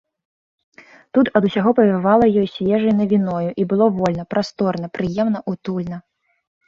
Тут ад усяго павявала ёй свежай навіною, і было вольна, прасторна, прыемна, утульна.